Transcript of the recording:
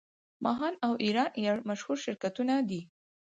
ماهان او ایران ایر مشهور شرکتونه دي.